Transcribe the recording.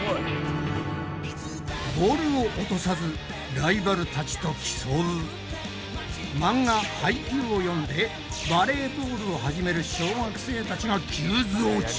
ボールを落とさずライバルたちと競う漫画「ハイキュー！！」を読んでバレーボールを始める小学生たちが急増中！